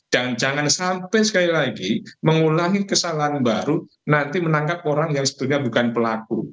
dan jangan sampai sekali lagi mengulangi kesalahan baru nanti menangkap orang yang sebenarnya bukan pelaku